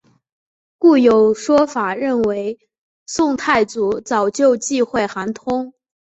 故有说法认为宋太祖早就忌讳韩通。